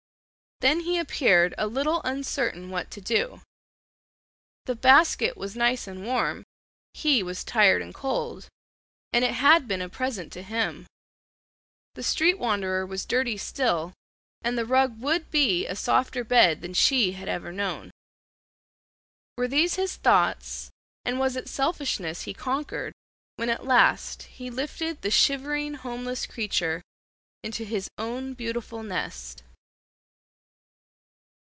Then he appeared a little uncertain what to do. The basket was nice and warm; he was tired and cold; it had been a present to him; the street wanderer was dirty still; and the rug would be a softer bed than she had ever known. Were these his thoughts, and was it selfishness he conquered when at last he lifted the shivering homeless creature into his own beautiful nest?